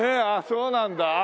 ああそうなんだ。